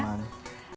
tetap merasa aman